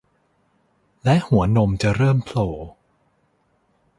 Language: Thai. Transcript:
และหัวนมจะเริ่มโผล่